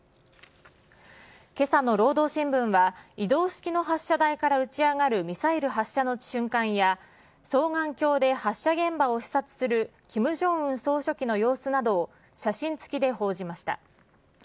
けさの労働新聞は、移動式の発射台から打ち上がるミサイル発射の瞬間や、双眼鏡で発射現場を視察するキム・ジョンウン総書記の様子などを写真付きで報じました。